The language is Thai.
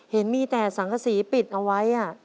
เห็นมีแต่สังกษีปิดเอาไว้